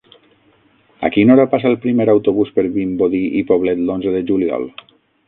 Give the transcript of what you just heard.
A quina hora passa el primer autobús per Vimbodí i Poblet l'onze de juliol?